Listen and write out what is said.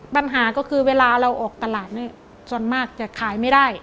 ปัญหาก็คือเวลาเราออกตลาดนี่ส่วนมากจะขายไม่ได้